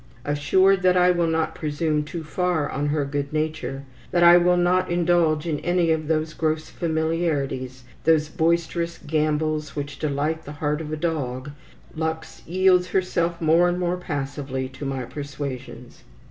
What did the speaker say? Assured that I will not presume too far on her good nature, that I will not indulge in any of those gross familiarities, those boisterous gambols which delight the heart of a dog, Lux yields herself more and more passively to my persuasions.